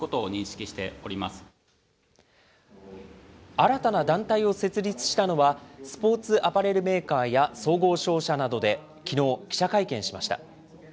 新たな団体を設立したのは、スポーツアパレルメーカーや総合商社などで、きのう、記者会見しました。